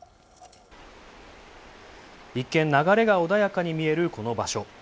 一見、流れが穏やかに見えるこの場所。